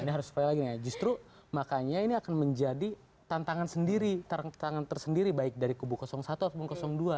nah ini harus survei lagi nih ya justru makanya ini akan menjadi tantangan sendiri tantangan tersendiri baik dari kubu satu atau kubu dua